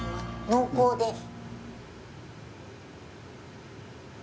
濃厚です。